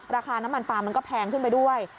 ราคาน้ำมันปลามันก็แพงขึ้นไปด้วย